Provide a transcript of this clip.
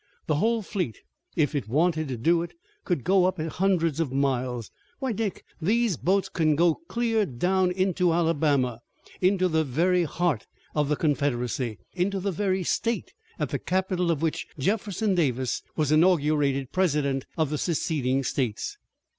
The whole fleet, if it wanted to do it, could go up it hundreds of miles. Why, Dick, these boats can go clear down into Alabama, into the very heart of the Confederacy, into the very state at the capital of which Jefferson Davis was inaugurated President of the seceding states."